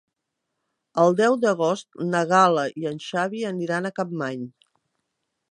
El deu d'agost na Gal·la i en Xavi aniran a Capmany.